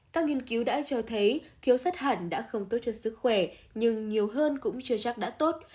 các nghiên cứu đã cho thấy thiếu sắt hẳn đã không tốt cho sức khỏe nhưng nhiều hơn cũng chưa chắc đã tốt